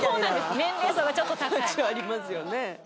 年齢層がちょっと高いありますよね